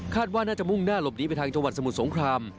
ว่าน่าจะมุ่งหน้าหลบหนีไปทางจังหวัดสมุทรสงคราม